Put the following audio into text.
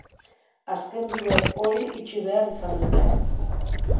Azken bide hori itxi behar izan dute.